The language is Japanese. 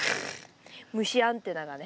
虫アンテナがね。